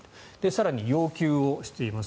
更に、要求をしています